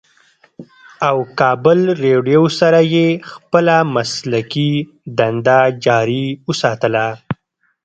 او کابل رېډيو سره ئې خپله مسلکي دنده جاري اوساتله